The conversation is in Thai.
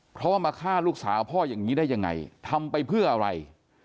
เพราะว่ามาฆ่าลูกสาวพ่ออย่างนี้ได้ยังไงทำไปเพื่ออะไร